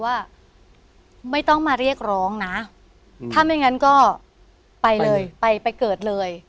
ว่าไม่ต้องมาเรียกร้องนะถ้าไม่งั้นก็ไปเลยไปไปเกิดเลย